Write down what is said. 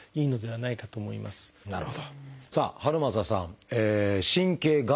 なるほど。